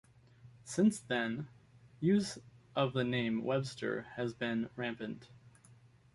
Since then, use of the name "Webster" has been rampant.